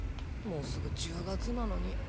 もうすぐ１０月なのに。